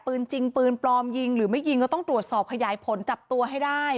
ปืนจริงปืนปลอมยิงหรือไม่ยิงก็ต้องตรวจสอบขยายผลจับตัวให้ได้